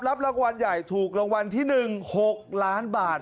รับรางวัลใหญ่ถูกรางวัลที่๑๖ล้านบาท